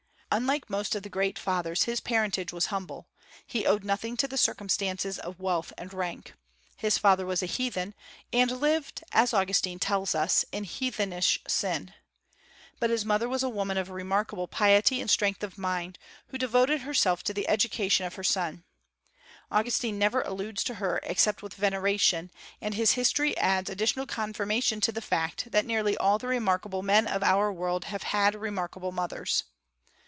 Unlike most of the great Fathers, his parentage was humble. He owed nothing to the circumstances of wealth and rank. His father was a heathen, and lived, as Augustine tells us, in "heathenish sin." But his mother was a woman of remarkable piety and strength of mind, who devoted herself to the education of her son. Augustine never alludes to her except with veneration; and his history adds additional confirmation to the fact that nearly all the remarkable men of our world have had remarkable mothers.